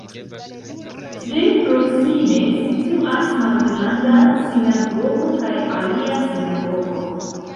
Tre proksime situas Malgranda Sinagogo kaj alia sinagogo.